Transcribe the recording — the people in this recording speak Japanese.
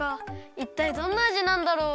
いったいどんなあじなんだろう？